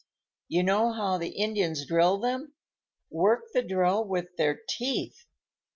You know how the Indians drill them? Work the drill with their teeth.